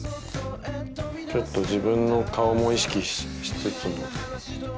ちょっと自分の顔も意識しつつの。